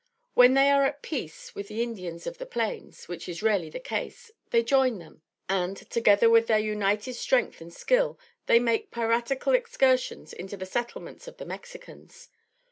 When they are at peace with the Indians of the Plains, which is rarely the case, they join them, and, together, with their united strength and skill, they make piratical excursions into the Settlements of the Mexicans.